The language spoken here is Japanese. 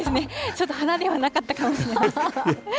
ちょっと鼻ではなかったかもしれない。